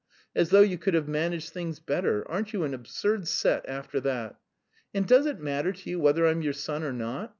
As though you could have managed things better. Aren't you an absurd set, after that? And does it matter to you whether I'm your son or not?